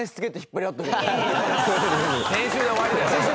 先週で終わりだよ。